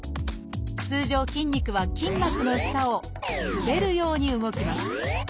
通常筋肉は筋膜の下を滑るように動きます。